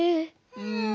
うん。